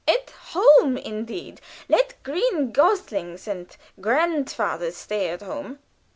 At home, indeed! Let green goslings and grandfathers stay at home."